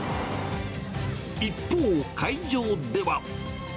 一方、会場では。